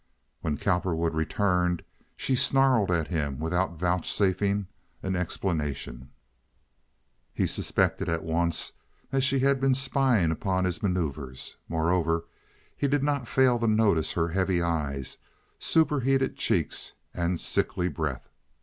When Cowperwood returned she snarled at him without vouchsafing an explanation. He suspected at once that she had been spying upon his manoeuvers. Moreover, he did not fail to notice her heavy eyes, superheated cheeks, and sickly breath.